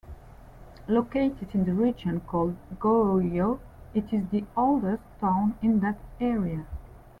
Located in the region called Gooi, it is the oldest town in that area.